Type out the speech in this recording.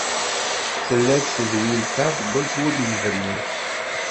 Tella-d tedwilt-a deg waggur n yebrir.